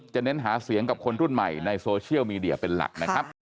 เน้นหาเสียงกับคนรุ่นใหม่ในโซเชียลมีเดียเป็นหลักนะครับ